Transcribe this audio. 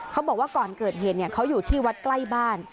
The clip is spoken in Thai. บอกว่าก่อนเกิดเหตุเขาอยู่ที่วัดใกล้บ้าน